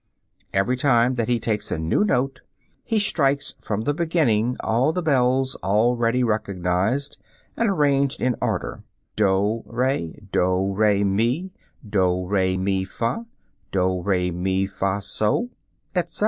Every time that he takes a new note, he strikes from the beginning all the bells already recognized and arranged in order doh, re, doh, re, mi; doh, re, mi, fah; doh, re, mi, fah, soh, etc.